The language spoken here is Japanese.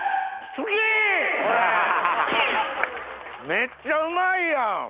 めっちゃうまいやん！